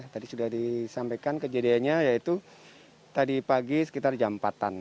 tadi sudah disampaikan kejadiannya yaitu tadi pagi sekitar jam empat an